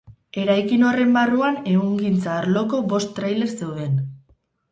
Eraikin horren barruan ehungintza arloko bost tailer zeuden.